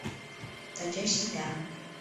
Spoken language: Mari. — Тачеш сита.